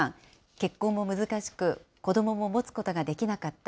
結婚も難しく、子どもも持つことができなかった。